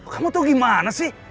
kamu tahu gimana sih